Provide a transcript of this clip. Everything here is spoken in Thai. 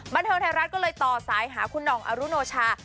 บันเทิงไทยรัฐก็เลยต่อสายหาคุณหน่องอรุโนชา